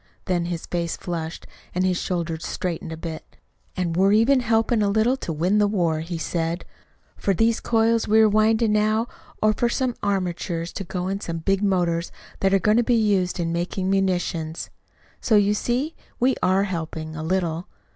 Then his face flushed, and his shoulders straightened a bit. 'And we're even helping a little to win the war,' he said, 'for these coils we are winding now are for some armatures to go in some big motors that are going to be used in making munitions. So you see, we are helping a little.'